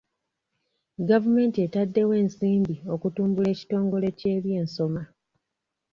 Gavumenti etaddewo ensimbi okutumbula ekitongole ky'ebyensoma.